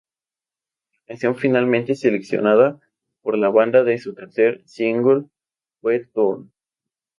La canción finalmente seleccionada por la banda de su tercer single fue "Turn!